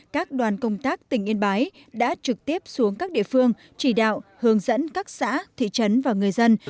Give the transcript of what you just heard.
các đoàn công tác tỉnh yên bái đã trực tiếp xuống các địa phương chỉ đạo hướng dẫn các xã thị trấn và người dân